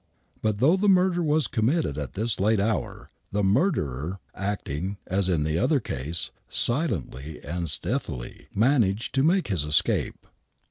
But though the murder was committed at this late hour, the murderer — acting, as in the other case, silently and steathily — managed to make his escape.